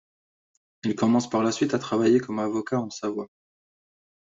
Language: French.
Il commence par la suite à travailler comme avocat en Savoie.